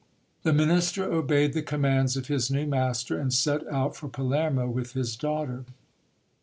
The minister obeyed the commands of his new master, and set out for Palermo with his daughter.